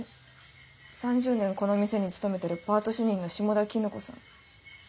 ３０年この店に勤めてるパート主任の下田絹子さん。